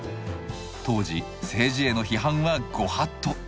当時政治への批判はご法度。